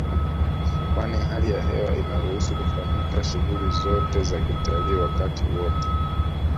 Kwani hali ya hewa inaruhusu kufanyika shughuli zote za kitalii wakati wote